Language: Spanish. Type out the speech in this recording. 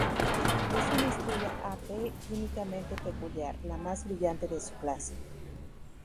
Es una estrella Ap químicamente peculiar, la más brillante de su clase.